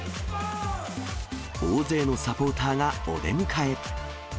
大勢のサポーターがお出迎え。